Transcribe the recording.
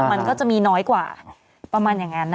มันก็จะมีน้อยกว่าประมาณอย่างนั้น